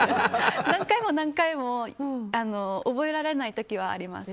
何回も何回も覚えられない時はあります。